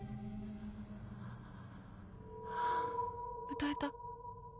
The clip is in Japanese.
歌えた。